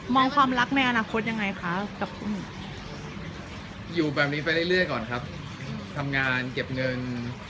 ความรักในอนาคตยังไงคะกับอยู่แบบนี้ไปเรื่อยก่อนครับทำงานเก็บเงิน